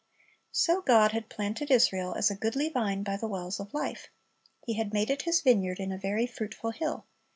^ So God had planted Israel as a goodly vine by the wells of life. He had made His vineyard "in a very fruitful hill."